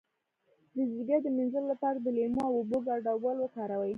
د ځیګر د مینځلو لپاره د لیمو او اوبو ګډول وکاروئ